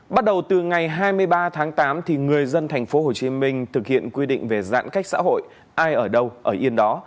bắt đầu từ ngày hai mươi ba tháng tám thì người dân tp hcm thực hiện quy định về giãn cách xã hội ai ở đâu ở yên đó